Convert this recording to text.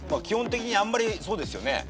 基本的にあんまりそうですよね。